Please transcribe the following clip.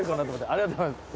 ありがとうございます。